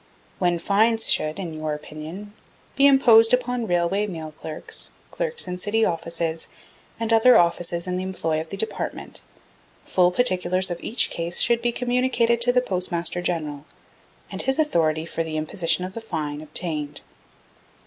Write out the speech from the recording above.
When fines should, in your opinion, be imposed upon Railway Mail Clerks, Clerks in City Offices, and other officers in the employ of the Department full particulars of each case should be communicated to the Postmaster General, and his authority for the imposition of the fine obtained.